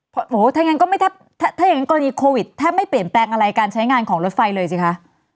ถ้าอย่างงั้นกรณีโควิดแทบไม่เปลี่ยนแปลงอะไรการใช้งานของรถไฟเลยสิคะ